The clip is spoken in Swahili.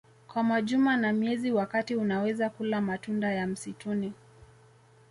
kwa majuma na miezi wakati unaweza kula matunda ya msituni